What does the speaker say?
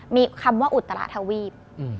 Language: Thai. มีคำว่าอุตระทวีป